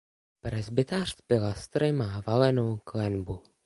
Presbytář s pilastry má valenou klenbu.